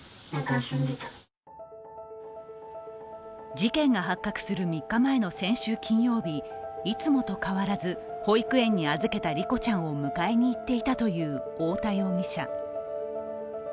事件が発覚する３日前の先週金曜日、いつもと変わらず、保育園に預けた梨心ちゃんを迎えにいっていたという太田容疑者。